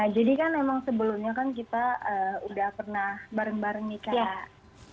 jadi kan emang sebelumnya kan kita udah pernah bareng bareng nikah